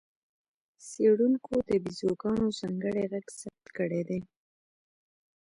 څېړونکو د بیزوګانو ځانګړی غږ ثبت کړی دی.